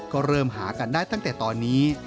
ก็เริ่มหากันได้ตั้งแต่ตอนนี้